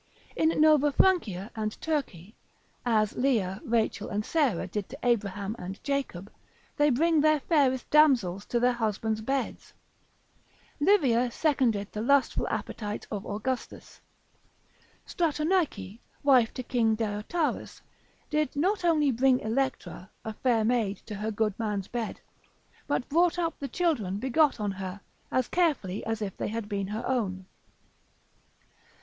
In Nova Francia and Turkey (as Leah, Rachel, and Sarah did to Abraham and Jacob) they bring their fairest damsels to their husbands' beds; Livia seconded the lustful appetites of Augustus: Stratonice, wife to King Diotarus, did not only bring Electra, a fair maid, to her good man's bed, but brought up the children begot on her, as carefully as if they had been her own.